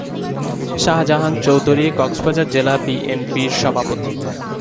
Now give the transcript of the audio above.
শাহজাহান চৌধুরী কক্সবাজার জেলা বিএনপির সভাপতি।